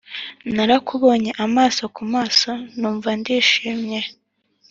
narakubonye amaso ku maso numva ndishimye.